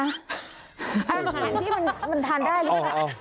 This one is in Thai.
อาหารที่มันทานได้หรือเปล่า